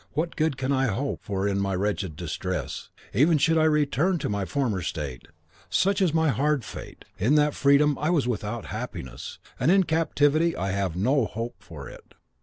what good can I hope for in my wretched distress, even should I return to my former state? Such is my hard fate, that in freedom I was without happiness, and in captivity I have no hope of it."